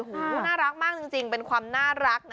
โอ้โหน่ารักมากจริงเป็นความน่ารักนะ